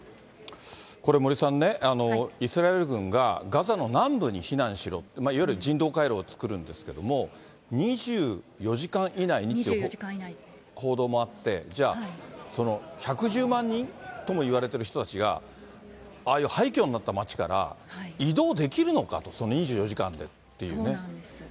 これ、森さんね、イスラエル軍がガザの南部に避難しろ、いわゆる人道回廊を作るんですけども、２４時間以内。という報道もあって、じゃあ、１１０万人ともいわれている人たちが、ああいう廃虚になった町から移動できるのかと、２４時間でっていそうなんです。